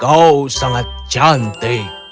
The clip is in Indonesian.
kau sangat cantik